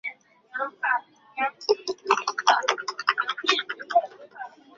拉特克利夫是一个位于美国阿肯色州洛根县的城市。